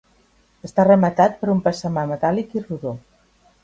Està rematat per un passamà metàl·lic i rodó.